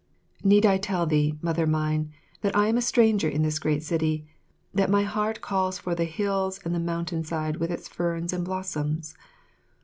Need I tell thee, Mother mine, that I am a stranger in this great city, that my heart calls for the hills and the mountain side with its ferns and blossoms?